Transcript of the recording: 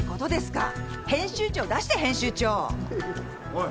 おい。